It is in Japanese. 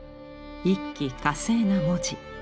一気呵成な文字。